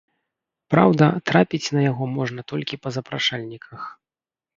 Праўда, трапіць на яго можна толькі па запрашальніках.